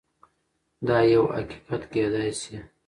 دا يو حقيقت کيدای شي.